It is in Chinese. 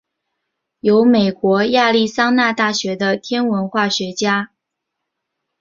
由美国亚利桑那大学的天文化学家。